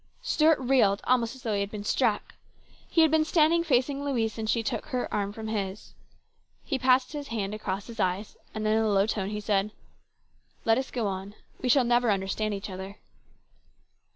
Stuart reeled almost as though he had been struck. He had been standing facing Louise since she took her arm from his. He passed his hand across his eyes, and then in a low tone he said :" Let us go on. We shall never understand each other."